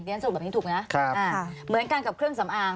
เนี่ยสมมติแบบนี้ถูกนะอ่าเหมือนกันกับเครื่องสำอาง